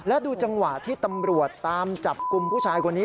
และดูจังหวะที่ตำรวจตามจับกลุ่มผู้ชายคนนี้